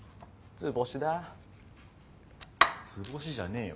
図星じゃねえよ。